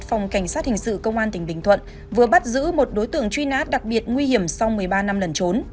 phòng cảnh sát hình sự công an tỉnh bình thuận vừa bắt giữ một đối tượng truy nã đặc biệt nguy hiểm sau một mươi ba năm lần trốn